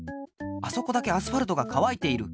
あそこだけアスファルトがかわいている。